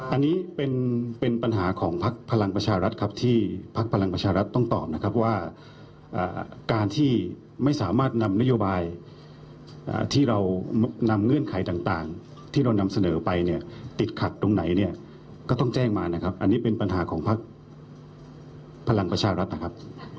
อันนี้เป็นปัญหาของพักพลังประชารัฐครับที่พักพลังประชารัฐต้องตอบนะครับว่าการที่ไม่สามารถนำนโยบายที่เรานำเงื่อนไขต่างที่เรานำเสนอไปเนี่ยติดขัดตรงไหนเนี่ยก็ต้องแจ้งมานะครับอันนี้เป็นปัญหาของพักพลังประชารัฐนะครับ